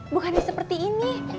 bukannya seperti ini